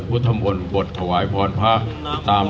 อธินาธาเวระมะนิสิขาปะทังสมาธิยามี